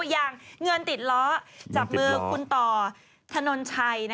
อย่างเงินติดล้อจับมือคุณต่อถนนชัย